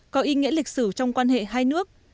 có ý nghĩa lịch sử trong quan hệ hai nước